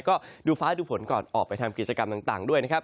ก็ดูฟ้าดูฝนก่อนออกไปทำกิจกรรมต่างด้วยนะครับ